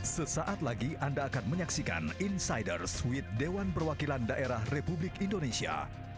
sesaat lagi anda akan menyaksikan insiders with dewan perwakilan daerah republik indonesia